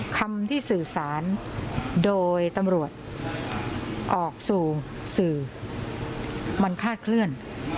คำที่สื่อสารโดยตำรวจออกสู่สื่อมันคลาดเคลื่อน